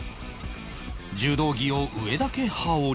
柔道着を上だけ羽織り